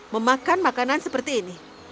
memakan makanan seperti ini